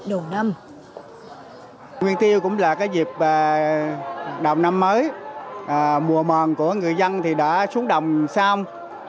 cho người dân nguyên tiêu cũng là cái dịp đầu năm mới mùa mòn của người dân thì đã xuống đồng xong